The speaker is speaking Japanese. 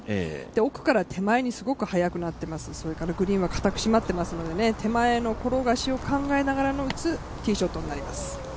奥から手前にすごく速くなっています、それからグリーンは固く締まってますので手前の転がしを考えがら打つティーショットになります。